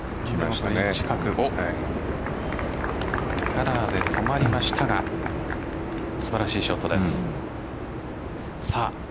カラーで止まりましたが素晴らしいショットです。